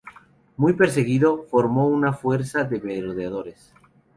Muy perseguido, formó una fuerza de merodeadores.